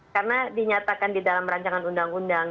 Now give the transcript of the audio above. karena dinyatakan di dalam rancangan undang undang